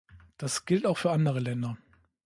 Das gilt auch für andere Länder.